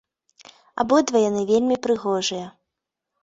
Абодва яны вельмі прыгожыя.